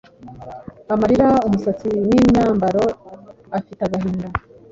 amarira umusatsi nimyambaro afite agahinda